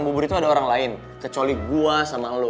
merasaat apa yang lu taruh dari kau